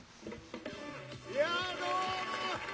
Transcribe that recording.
「いやどうも。